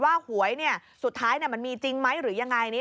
หวยสุดท้ายมันมีจริงไหมหรือยังไง